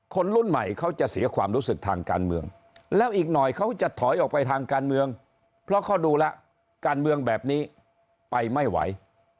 คนรุ่นใหม่เขาจะเสียความรู้สึกทางการเมืองแล้วอีกหน่อยเขาจะถอยออกไปทางการเมืองเพราะเขาดูแล้วการเมืองแบบนี้ไปไม่ไหว